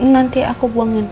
nanti aku buangin